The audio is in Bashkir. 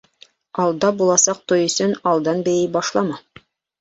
Алда буласаҡ туй өсөн алдан бейей башлама.